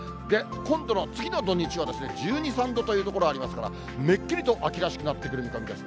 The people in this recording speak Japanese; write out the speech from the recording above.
今度の、次の土日は１２、３度という所ありますから、めっきりと秋らしくなってくる見込みです。